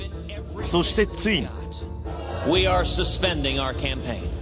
そしてついに。